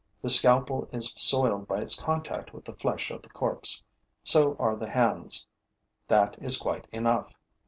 The scalpel is soiled by its contact with the flesh of the corpse; so are the hands. That is quite enough.